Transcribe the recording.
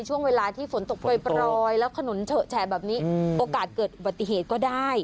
ปล่อยปล่อยแล้วขนุนเฉอะแชนแบบนี้โอกาสเกิดอุบัติเหตุก็ได้